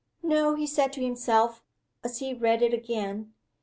"No," he said to himself, as he read it again.